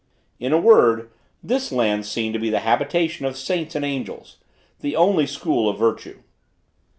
In a word, this land seemed to be the habitation of saints and angels; the only school of virtue.